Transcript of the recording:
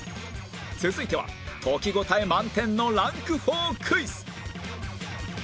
続いては解き応え満点のランク４クイズ